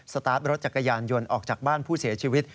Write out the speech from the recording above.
ตาร์ทรถจักรยานยนต์ออกจากบ้านผู้เสียชีวิต